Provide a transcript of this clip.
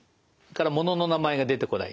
ものの名前が出てこない。